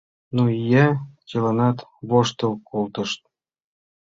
— Ну, ия! — чыланат воштыл колтышт.